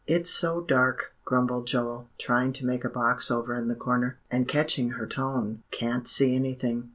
"It's so dark," grumbled Joel, trying to make a box over in the corner, and catching her tone, "can't see anything."